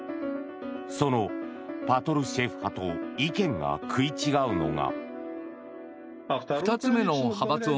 そのパトルシェフ派と意見が食い違うのが。